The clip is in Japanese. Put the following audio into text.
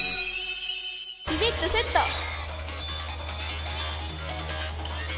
ビビッとセット！